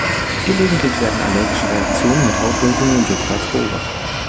Gelegentlich werden allergische Reaktionen mit Hautrötungen und Juckreiz beobachtet.